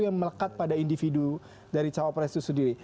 yang melekat pada individu dari cawapres itu sendiri